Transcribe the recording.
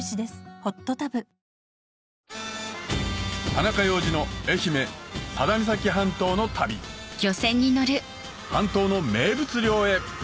田中要次の愛媛佐田岬半島の旅半島の名物漁へ！